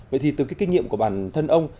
vậy thì từ cái kinh nghiệm của bản thân ông